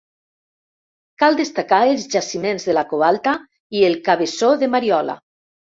Cal destacar els jaciments de la Covalta i el Cabeço de Mariola.